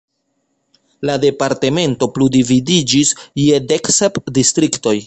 La departemento plu dividiĝis je dek sep distriktoj.